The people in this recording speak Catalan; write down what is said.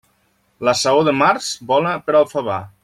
La saó de març, bona per al favar.